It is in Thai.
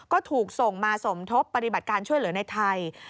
ก็ถูกส่งมาสมทบปฏิบัติการช่วยเหลือในไทย